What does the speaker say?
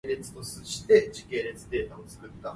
半路認老爸